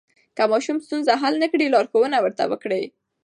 که ماشوم ستونزه حل نه کړي، لارښوونه ورته وکړئ.